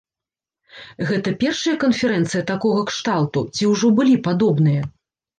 Гэта першая канферэнцыя такога кшталту, ці ўжо былі падобныя?